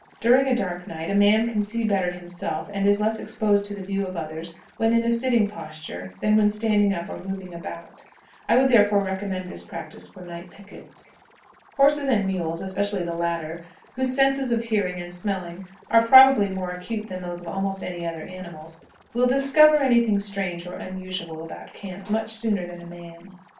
During a dark night a man can see better himself, and is less exposed to the view of others, when in a sitting posture than when standing up or moving about. I would therefore recommend this practice for night pickets. Horses and mules (especially the latter), whose senses of hearing and smelling are probably more acute than those of almost any other animals, will discover any thing strange or unusual about camp much sooner than a man.